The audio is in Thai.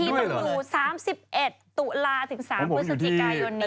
ต้องอยู่๓๑ตุลาถึง๓พฤศจิกายนนี้